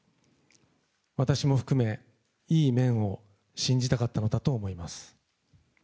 私も含め、いい面を信じたかったのだと思います。